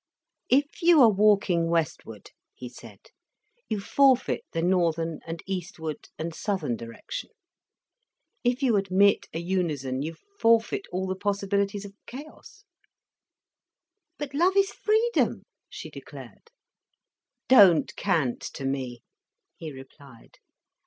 "If you are walking westward," he said, "you forfeit the northern and eastward and southern direction. If you admit a unison, you forfeit all the possibilities of chaos." "But love is freedom," she declared. "Don't cant to me," he replied.